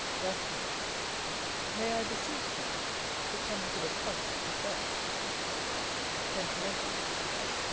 Rationalist. May I beseech you to come to the point at once Sentimentalist.